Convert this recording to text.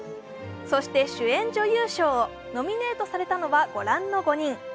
そして主演女優賞ノミネートされたのは、御覧の５人。